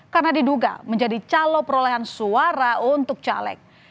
karena diduga menjadi calo perolehan suara untuk caleg